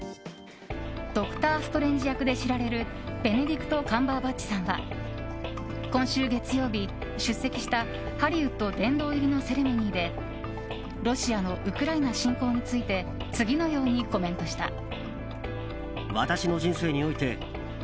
ドクター・ストレンジ役で知られるベネディクト・カンバーバッチさんは今週月曜日、出席したハリウッド殿堂入りのセレモニーでロシアのウクライナ侵攻について次のようにコメントした。